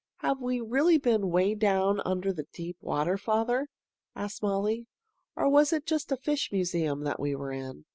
"Have we really been 'way down under that deep water, father?" asked Molly. "Or was it just a fish museum that we were in?"